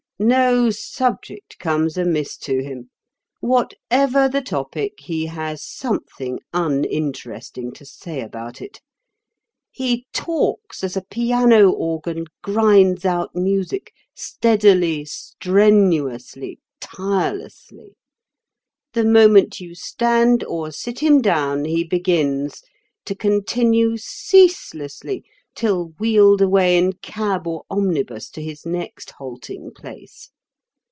No subject comes amiss to him. Whatever the topic, he has something uninteresting to say about it. He talks as a piano organ grinds out music steadily, strenuously, tirelessly. The moment you stand or sit him down he begins, to continue ceaselessly till wheeled away in cab or omnibus to his next halting place.